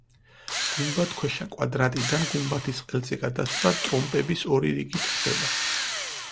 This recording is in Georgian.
გუმბათქვეშა კვადრატიდან გუმბათის ყელზე გადასვლა ტრომპების ორი რიგით ხდება.